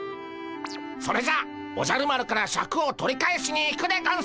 それじゃおじゃる丸からシャクを取り返しに行くでゴンス！